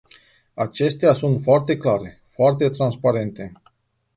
Acestea sunt foarte clare, foarte transparente.